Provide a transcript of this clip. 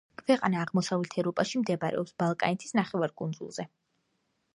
ქვეყანა აღმოსავლეთ ევროპაში, მდებარეობს ბალკანეთის ნახევარკუნძულზე.